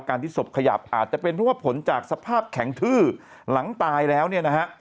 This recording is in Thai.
ที่ศพขยับอาจจะเป็นเพราะว่าผลจากสภาพแข็งทื้อหลังตายแล้วเนี่ยนะฮะ